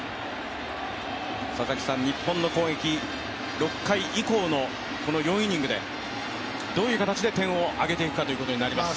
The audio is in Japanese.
日本の攻撃、６回以降の４イニングでどういう形で点を挙げていくかということになります。